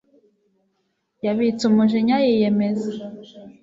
yabitse umujinya yiyemeza